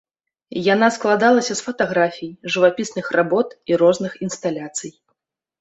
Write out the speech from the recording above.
Яна складалася з фатаграфій, жывапісных работ і розных інсталяцый.